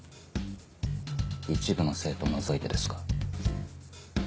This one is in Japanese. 一部の生徒を除いてですが。